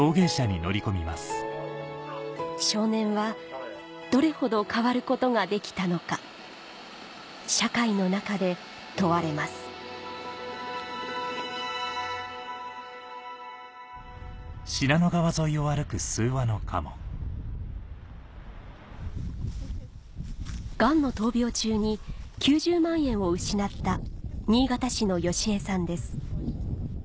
少年はどれほど変わることができたのか社会の中で問われますがんの闘病中に９０万円を失った新潟市のヨシエさんです